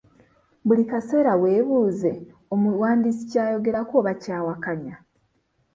Buli kaseera weebuuze omuwandiisi ky'ayogerako oba ky'awakanya?